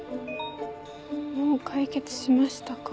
「もう解決しましたか？」